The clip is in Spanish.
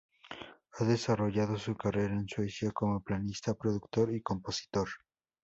Ha desarrollado su carrera en Suecia como pianista, productor y compositor.